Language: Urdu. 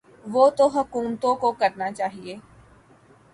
وہ تو حکومتوں کو کرنا چاہیے۔